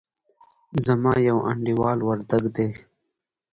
زما يو انډيوال وردګ دئ.